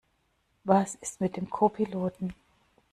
Was ist mit dem Co-Piloten?